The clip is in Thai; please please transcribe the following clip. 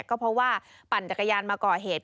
ก็เพราะว่าปั่นจักรยานมาก่อเหตุ